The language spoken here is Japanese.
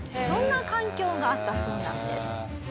そんな環境があったそうなんです。